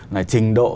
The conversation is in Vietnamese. là trình độ